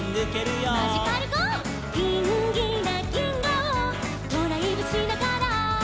「ギンギラぎんがをドライブしながら」